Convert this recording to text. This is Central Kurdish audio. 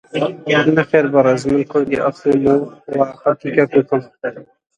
تۆ ڕەنگە لە هەڵاتووەکانی شیراز بی